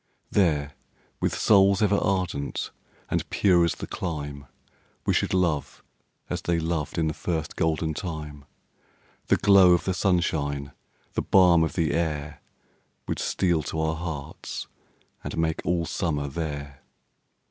There, with souls ever ardent and pure as the clime, We should love, as they loved in the first golden time; The glow of the sunshine, the balm of the air, Would steal to our hearts, and make all summer there.